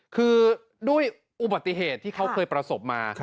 คือด้วยอุบัติเหตุที่เขาเคยประสบมา